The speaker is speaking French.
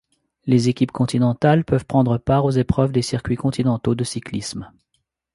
Les équipes continentales peuvent prendre part aux épreuves des circuits continentaux de cyclisme.